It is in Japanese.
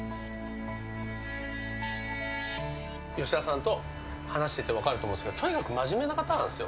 吉田さんと話してて分かると思うんですけどとにかく真面目な方なんですよ。